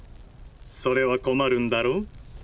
それは困るんだろう？っ！